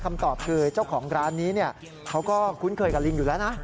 คำตอบคือเจ้าของร้านนี้เขาก็คุ้นเคยกับลิงอยู่แล้วนะ